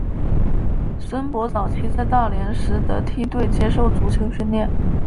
孙铂早期在大连实德梯队接受足球训练。